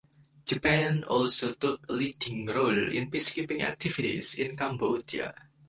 Japan also took a leading role in peacekeeping activities in Cambodia.